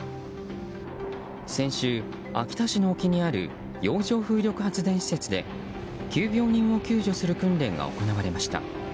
先週、秋田市の沖にある洋上風力発電施設で急病人を救助する訓練が行われました。